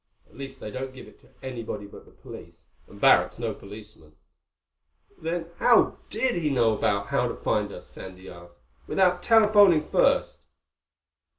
"At least they don't give it to anybody but the police. And Barrack's no policeman." "Then how did he know how to find us," Sandy asked, "without telephoning first?"